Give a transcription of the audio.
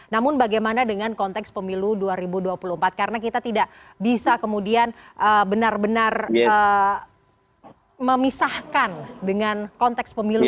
namun bagaimana dengan konteks pemilu dua ribu dua puluh empat karena kita tidak bisa kemudian benar benar memisahkan dengan konteks pemilu dua ribu dua puluh empat ini